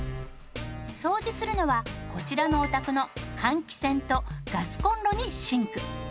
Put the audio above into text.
掃除するのはこちらのお宅の換気扇とガスコンロにシンク。